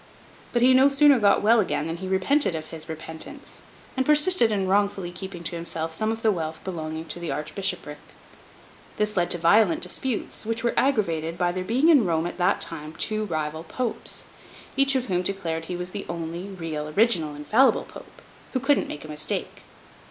But he no sooner got well again than he repented of his repentance, and persisted in wrongfully keeping to himself some of the wealth belonging to the archbishopric. This led to violent disputes, which were aggravated by there being in Rome at that time two rival Popes; each of whom declared he was the only real original infallible Pope, who couldn't make a mistake.